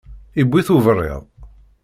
Iwwi-tt uberriḍ.